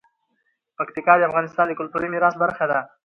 پکتیکا د افغانستان د کلتوري میراث برخه ده.